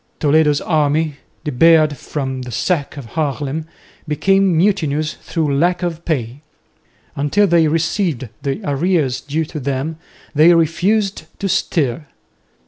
Toledo's army, debarred from the sack of Haarlem, became mutinous through lack of pay. Until they received the arrears due to them, they refused to stir.